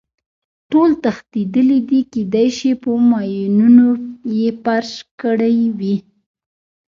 ټول تښتېدلي دي، کېدای شي په ماینونو یې فرش کړی وي.